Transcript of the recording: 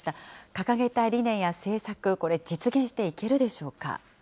掲げた理念や政策、これ、実現していけるでしょうか。